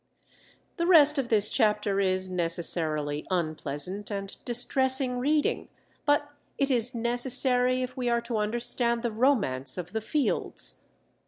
The rest of this chapter is necessarily unpleasant and distressing reading, but it is necessary if we are to understand the romance of the fields.